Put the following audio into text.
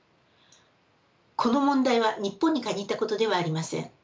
この問題は日本に限ったことではありません。